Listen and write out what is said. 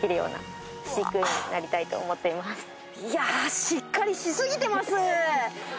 いやしっかりしすぎてます。